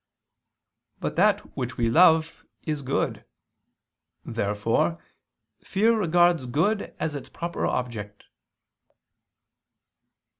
But that which we love is good. Therefore fear regards good as its proper object.